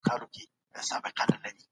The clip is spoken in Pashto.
دولت په سیاست کي خپله برخه اخیستې وه.